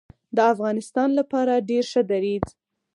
د افغانستان لپاره ډیر ښه دریځ